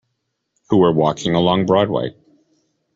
Who were walking along Broadway.